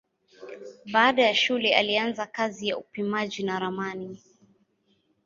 Baada ya shule alianza kazi ya upimaji na ramani.